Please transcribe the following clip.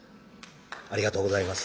ありがとうございます。